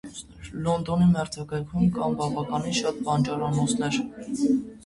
Լոնդոնի մերձակայքում կան բավականին շատ բանջարանոցներ։